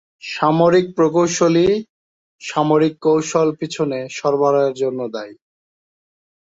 সামরিক প্রকৌশলী সামরিক কৌশল পিছনে সরবরাহের জন্য দায়ী।